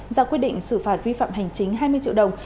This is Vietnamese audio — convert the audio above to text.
ra quyết định xử phạt vi phạm hành chính hai mươi triệu đồng